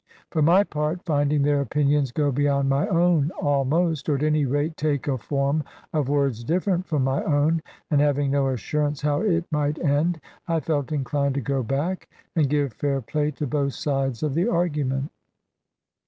For my part, finding their opinions go beyond my own almost, or at any rate take a form of words different from my own, and having no assurance how it might end, I felt inclined to go back, and give fair play to both sides of the argument.